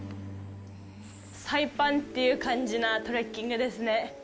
サイパンっていう感じなトレッキングですね。